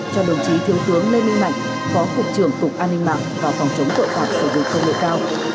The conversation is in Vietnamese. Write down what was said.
cho đồng chí thiếu tướng lê minh mạnh phó cục trưởng cục an ninh mạng và phòng chống tội phạm sử dụng công nghệ cao